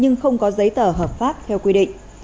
nhưng không có giấy tờ hợp pháp theo quy định